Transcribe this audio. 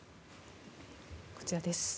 こちらです。